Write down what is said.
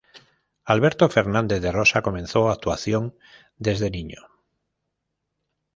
Alberto Fernández de Rosa comenzó actuación desde niño.